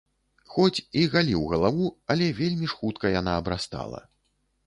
Хоць і галіў галаву, але вельмі ж хутка яна абрастала.